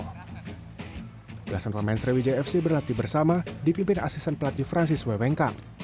belasan pemain sriwijaya fc berlatih bersama dipimpin asisten pelatih francis wengkang